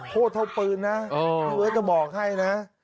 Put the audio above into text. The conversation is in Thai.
โฆษ์เท่าปืนนะเพื่อจะบอกให้นะ